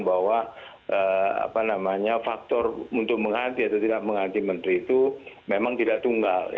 bahwa faktor untuk mengganti atau tidak mengganti menteri itu memang tidak tunggal